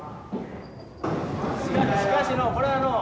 しかしのうこれはのう